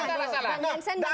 salah salah salah